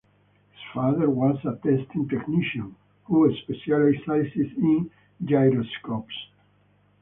His father was a testing technician, who specialized in gyroscopes.